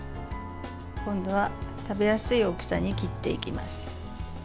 今度は、食べやすい大きさに切っていきます。